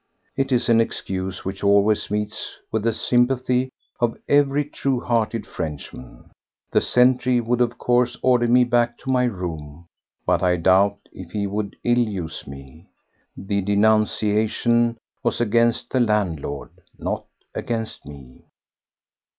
It is an excuse which always meets with the sympathy of every true hearted Frenchman. The sentry would, of course, order me back to my room, but I doubt if he would ill use me; the denunciation was against the landlord, not against me.